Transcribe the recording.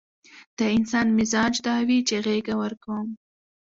د انسان مزاج دا وي چې غېږه ورکوم.